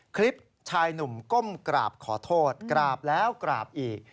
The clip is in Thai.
คลิปชายหนุ่มก้มกราบขอโทษกราบแล้วกราบอีก